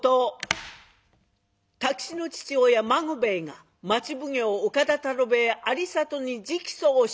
太吉の父親孫兵衛が町奉行岡田太郎兵衛有隣に直訴をした。